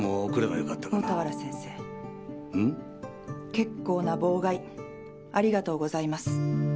結構な妨害ありがとうございます。